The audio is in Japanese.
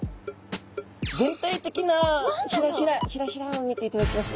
全体的なヒラヒラを見ていただきますと。